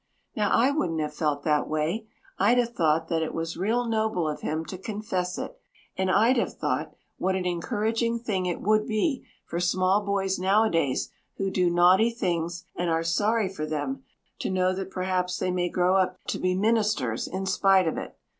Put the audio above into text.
Now, I wouldn't have felt that way. I'd have thought that it was real noble of him to confess it, and I'd have thought what an encouraging thing it would be for small boys nowadays who do naughty things and are sorry for them to know that perhaps they may grow up to be ministers in spite of it.